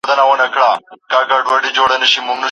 دا د نغدو پیسو زور دی چي ژړیږي